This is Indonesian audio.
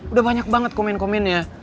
udah banyak banget komen komennya